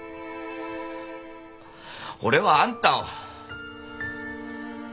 俺はあんたを。